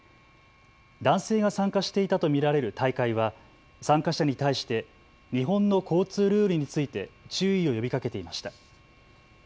男性が参加していたと見られる大会は参加者に対して日本の交通ルールについて注意を呼びかけていました。